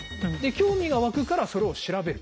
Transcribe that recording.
興味が湧くからそれを調べる。